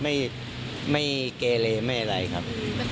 ไม่คุ้นคำมาทำโบด้วยใช่ไหมครับ